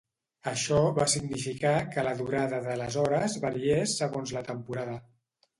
Això va significar que la durada de les hores variés segons la temporada.